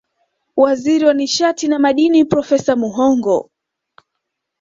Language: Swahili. Waziri wa nishati na Madini Profesa Muhongo